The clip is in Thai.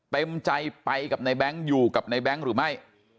เต็มใจไปกับในแบงค์อยู่กับในแบงค์หรือไม่